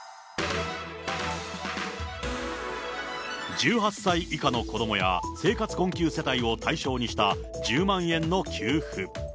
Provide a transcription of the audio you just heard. １８歳以下の子どもや、生活困窮世帯を対象にした１０万円の給付。